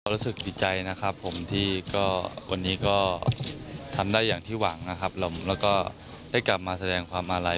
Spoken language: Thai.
รู้สึกดีใจนะครับผมที่ก็วันนี้ก็ทำได้อย่างที่หวังนะครับแล้วก็ได้กลับมาแสดงความอาลัย